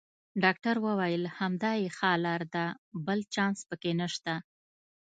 ډاکټر وویل: همدا یې ښه لار ده، بل چانس پکې نشته.